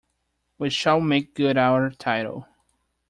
We shall make good our title.